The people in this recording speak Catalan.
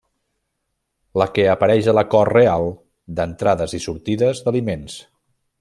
La que apareix a la cort real, d'entrades i sortides d'aliments.